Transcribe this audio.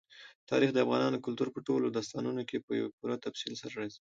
تاریخ د افغان کلتور په ټولو داستانونو کې په پوره تفصیل سره راځي.